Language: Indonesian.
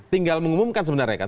tinggal mengumumkan sebenarnya kan